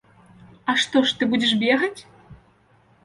А што ж ты будзеш бегаць?